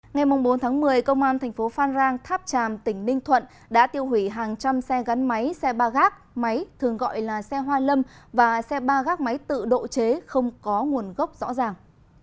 ngày bốn tháng một mươi công an thành phố phan rang tháp tràm tỉnh ninh thuận đã tiêu hủy hàng trăm xe gắn máy xe ba gác máy thường gọi là xe hoa lâm và xe ba gác máy tự độ chế không có nguồn gốc rõ ràng